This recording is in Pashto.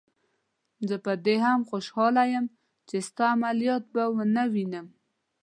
زه په دې هم خوشحاله یم چې ستا عملیات به ونه وینم.